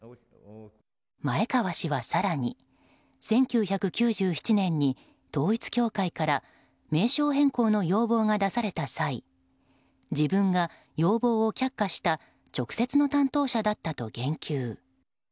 前川氏は更に、１９９７年に統一教会から名称変更の要望が出された際自分が要望を却下した直接の担当者だったと言及。